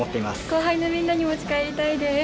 後輩のみんなに持ち帰りたいです。